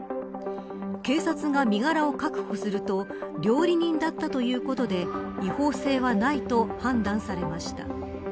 警察が身柄を確保すると料理人だったということで違法性はないと判断されました。